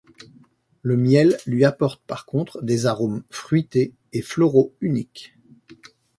Le miel lui apporte par contre des arômes fruités et floraux uniques.